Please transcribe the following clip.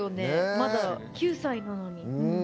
まだ９歳なのに。